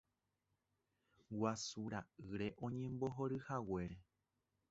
Guasu ra'ýre oñembohoryhaguére.